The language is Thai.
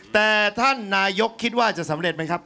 แต่ท่านนายกคิดว่าจะสำเร็จไหมครับ